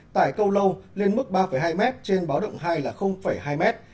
tại câu lâu lên mức ba hai m trên báo động hai là hai mét